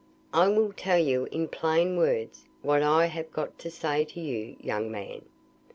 "I will tell you in plain words what I have got to say to you, young man.